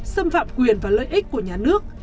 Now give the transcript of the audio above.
xâm phạm quyền và lợi ích của nhà nước